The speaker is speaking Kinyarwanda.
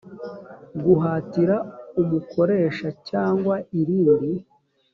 guhatira umukoresha cyangwa irindi